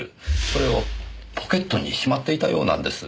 それをポケットにしまっていたようなんです。